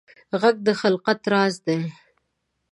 غږ د خلقت راز دی